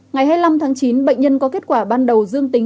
ngày hai mươi năm tháng chín bệnh nhân có kết quả ban đầu dương tính